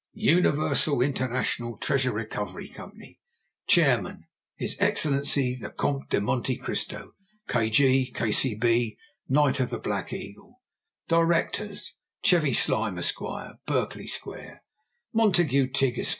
UNIVERSAL INTERNATIONAL TREASURE RECOVERY COMPANY. Chairman. His Excellency the COMTE DE MONTE CRISTO. K.G., K.C.B., Knight of the Black Eagle. Directors. CHEVY SLIME, Esq., Berkeley Square. MONTAGUE TIGG, Esq.